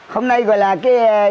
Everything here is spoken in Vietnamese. hôm nay gọi là cái